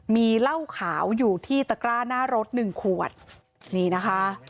มีเหล้าขาวอยู่ที่ตะกร้าหน้ารถหนึ่งขวดนี่นะคะ